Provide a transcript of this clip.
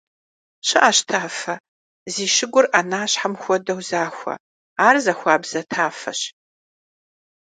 ЩыӀэщ тафэ, зи щыгур Ӏэнащхьэм хуэдэу захуэ; ар захуабзэ тафэщ.